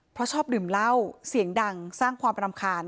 เพราะชอบดื่มเหล้าเสียงดังสร้างความรำคาญ